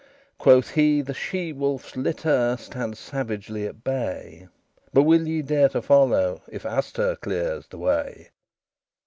Quoth he, "The she wolf's litter Stand savagely at bay: But will ye dare to follow, If Astur clears the way?"